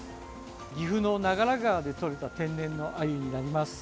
岐阜の長良川でとれた天然のアユになります。